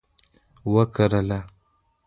وکرله